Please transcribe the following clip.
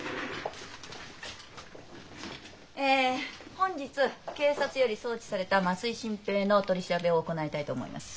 え本日警察より送致された増井新平の取り調べを行いたいと思います。